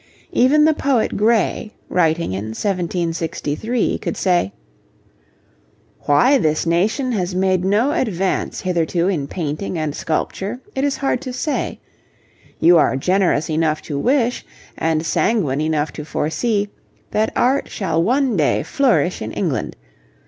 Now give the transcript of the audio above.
Even the poet Gray, writing in 1763, could say: Why this nation has made no advance hitherto in painting and sculpture, it is hard to say.... You are generous enough to wish, and sanguine enough to foresee, that art shall one day flourish in England.